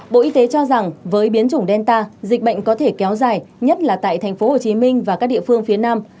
bộ y tế cho rằng với biến chủng delta dịch bệnh có thể kéo dài nhất là tại thành phố hồ chí minh và các địa phương phía nam